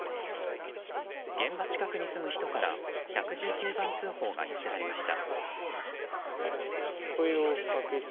現場近くに住む人から１１９番通報が寄せられました。